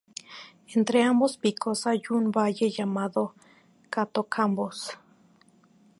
Entre ambos picos hay un valle llamado Kato-Kambos.